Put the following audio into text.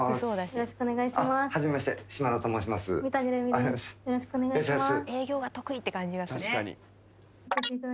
よろしくお願いします。